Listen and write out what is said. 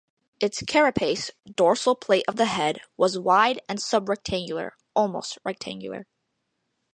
Its carapace (dorsal plate of the head) was wide and subrectangular (almost rectangular).